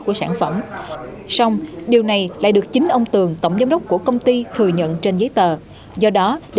các sản phẩm này chưa có chứng minh các sai phạm nghiêm trọng của công ty thuận phong và những người liên quan như vải hoa đồ chi xe